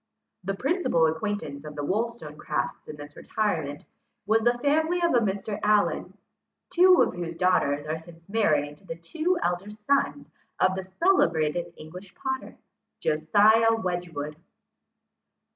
The principal acquaintance of the Wollstonecrafts in this retirement, was the family of a Mr. Allen, two of whose daughters are since married to the two elder sons of the celebrated English potter, Josiah Wedgwood.